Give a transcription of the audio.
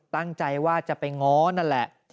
ตั้งใจว่าจะไปง้อนั่นแหละ